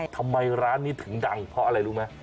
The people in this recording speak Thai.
ทำไมร้านนี้ถึงดังเพราะอะไรรู้ไหม